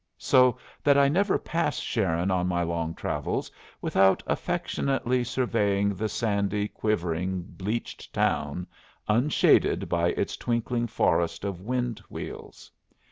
So that I never pass Sharon on my long travels without affectionately surveying the sandy, quivering, bleached town, unshaded by its twinkling forest of wind wheels.